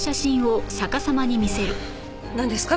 なんですか？